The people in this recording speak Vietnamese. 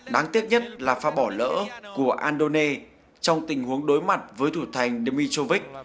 đáng tiếc nhất là pha bỏ lỡ của andone trong tình huống đối mặt với thủ thành dmitrovic